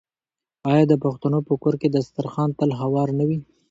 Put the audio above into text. آیا د پښتنو په کور کې دسترخان تل هوار نه وي؟